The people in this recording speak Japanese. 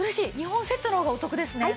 ２本セットの方がお得ですね。